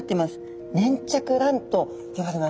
粘着卵と呼ばれます。